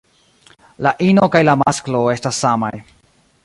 La ino kaj la masklo estas samaj.